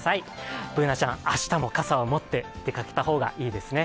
Ｂｏｏｎａちゃん、明日も傘を持って出かけた方がいいですね。